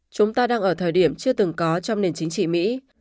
chúng ta đang ở thời điểm chưa từng có trong nền chính trị mỹ